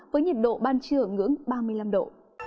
với nhiệt độ ban trưa ở ngưỡng ba mươi năm độ